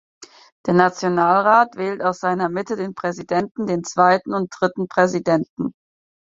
Der Nationalrat wählt aus seiner Mitte den Präsidenten, den zweiten und dritten Präsidenten.